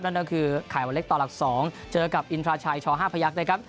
นั่นก็คือไข่วันเล็กต่อหลัก๒เจอกับอินทราชัยช๕พยักษ์นะครับ